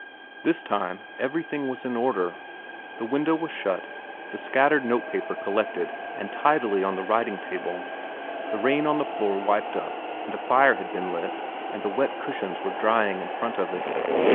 This time everything was in order. The window was shut, the scattered notepaper collected and tidily on the writing table, the rain on the floor wiped up, and a fire had been lit and the wet cushions were drying in front of it.